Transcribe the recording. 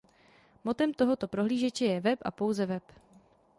Mottem tohoto prohlížeče je „web a pouze web“.